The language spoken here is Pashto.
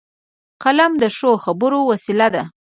قلم د ښو خبرو وسیله ده